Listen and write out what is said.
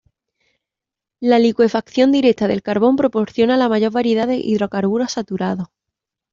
La licuefacción directa del carbón proporciona la mayor variedad de hidrocarburos saturados.